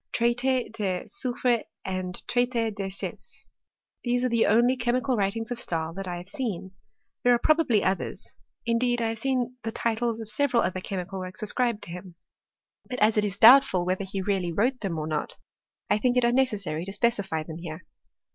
Traiti de Soyfre and TraitS de Sets. These are the only ehe* mical writings of Stahl that I have seen. There ar« probably others ; indeed 1 have seen the titles of se veral other chemical works ascribed to him. But as it is doubtful whether he really wrote them or not, I think it unnecessary to specify them here.